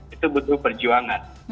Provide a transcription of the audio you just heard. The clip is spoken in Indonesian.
itu butuh perjuangan